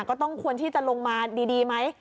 ก็ต้องควรที่จะลงมาดีไหม